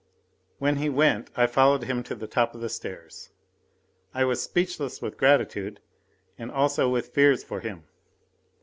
When he went I followed him to the top of the stairs. I was speechless with gratitude and also with fears for him.